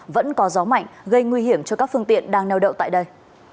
vẫn có gió mạnh gây nguy hiểm cho các phương tiện đang neo đậu tại đây